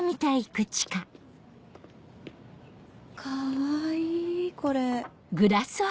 かわいいこれ。